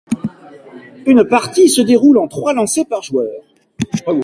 Une partie se déroule en trois lancers par joueur.